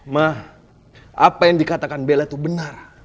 ma apa yang dikatakan bella tuh benar